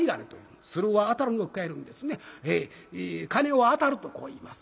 「鉦を当たる」とこう言います。